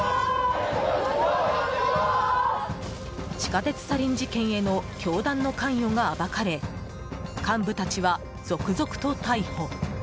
地下鉄サリン事件への教団の関与が暴かれ幹部たちは続々と逮捕。